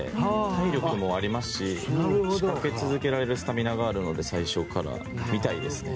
体力もありますし仕掛け続けられるスタミナもあるので最初から見たいですね。